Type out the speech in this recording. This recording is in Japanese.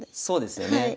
そうですよね。